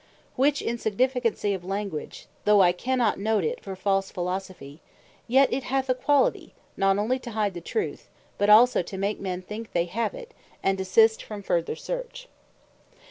Which Insignificancy of language, though I cannot note it for false Philosophy; yet it hath a quality, not onely to hide the Truth, but also to make men think they have it, and desist from further search.